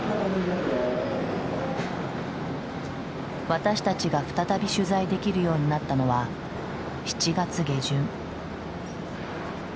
私たちが再び取材できるようになったのは７月下旬。